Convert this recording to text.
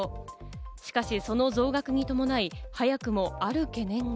しかし、その増額に伴い早くもある懸念が。